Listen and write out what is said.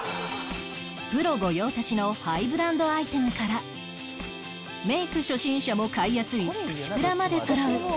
プロ御用達のハイブランドアイテムからメイク初心者も買いやすいプチプラまでそろう